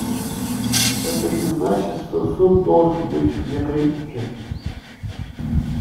Это не значит, что Суд должен быть вне критики.